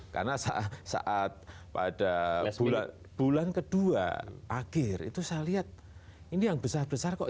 karena saat pada bulan kedua akhir itu saya lihat ini yang besar besar kok